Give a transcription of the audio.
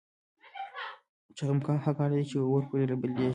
چخماق هغه کاڼی دی چې اور پرې بلیږي.